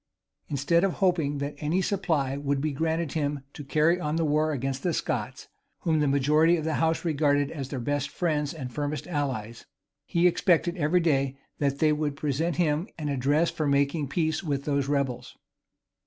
Instead of hoping that any supply would be granted him to carry on war against the Scots, whom the majority of the house regarded as their best friends and firmest allies; he expected every day that they would present him an address for making peace with those rebels.